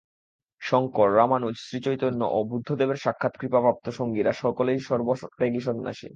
শঙ্কর, রামানুজ, শ্রীচৈতন্য ও বুদ্ধদেবের সাক্ষাৎ কৃপাপ্রাপ্ত সঙ্গীরা সকলেই সর্বত্যাগী সন্ন্যাসী।